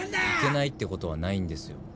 いけないってことはないんですよ。